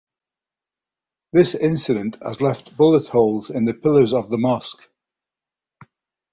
This incident has left bullet holes in the pillars of the mosque.